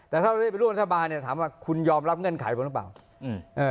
แต่ถ้าเราได้เป็นรัฐบาลเนี่ยถามว่าคุณยอมรับเงื่อนไขของผมหรือเปล่าอืม